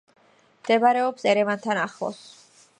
მდებარეობს ერევანთან ახლოს.